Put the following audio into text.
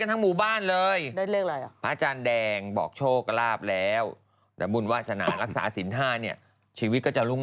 พ่อปู่ชูชกดีกว่าอยู่ใกล้นี้เอง